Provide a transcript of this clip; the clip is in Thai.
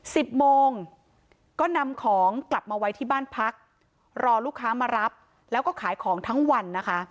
สิบโมงก็นำของกลับมาไว้ที่บ้านพักรอลูกค้ามารับแล้วก็ขายของทั้งวันนะคะ